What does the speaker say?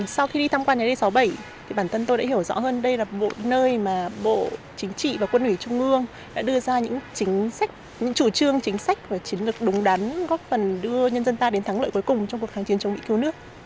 sau khi đi tham quan nhà d sáu mươi bảy bản thân tôi đã hiểu rõ hơn đây là một nơi mà bộ chính trị và quân ủy trung ương đã đưa ra những chính sách những chủ trương chính sách và chiến lược đúng đắn góp phần đưa nhân dân ta đến thắng lợi cuối cùng trong cuộc kháng chiến chống mỹ cứu nước